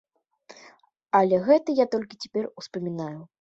Але гэта я толькі цяпер успамінаю.